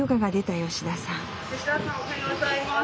吉田さんおはようございます。